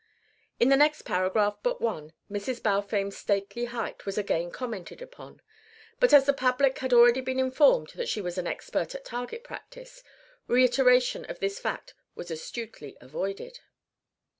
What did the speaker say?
In the next paragraph but one Mrs. Balfame's stately height was again commented upon, but as the public had already been informed that she was an expert at target practice, reiteration of this fact was astutely avoided.